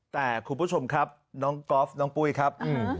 แต่คุณผู้ชมครับน้องก๊อฟน้องปุ้ยครับ